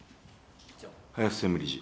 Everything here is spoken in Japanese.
林専務理事。